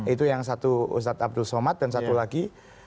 itu yang satu ustadz abdul somad dan satu lagi